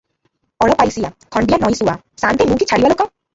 ଅଳପାଇସିଆ; ଖଣ୍ତିଆ ନଈଶୁଆ! ସାଆନ୍ତେ ମୁଁ କି ଛାଡ଼ିବା ଲୋକ?